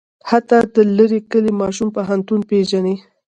حتی د لرې کلي ماشوم پوهنتون پېژني.